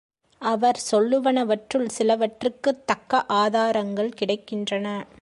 அவர் சொல்லுவனவற்றுள் சிலவற்றுக்குத் தக்க ஆதாரங்கள் கிடைக்கின்றன.